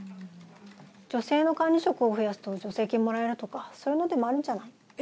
女性の管理職を増やすと助成金もらえるとかそういうのでもあるんじゃない？え？